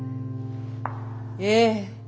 ええ。